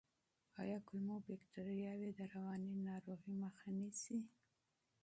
آیا کولمو بکتریاوې د رواني ناروغیو مخه نیسي؟